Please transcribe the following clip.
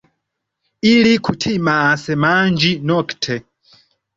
Ili kutimas manĝi nokte.